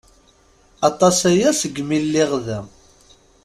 Aṭas-aya segmi lliɣ da.